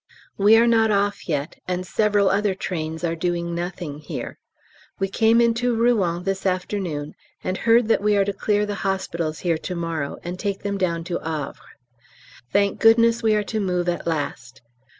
We are not off yet, and several other trains are doing nothing here. We came into Rouen this afternoon, and heard that we are to clear the hospitals here to morrow, and take them down to Havre. Thank goodness we are to move at last.